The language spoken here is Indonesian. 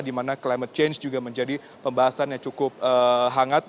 di mana climate change juga menjadi pembahasan yang cukup hangat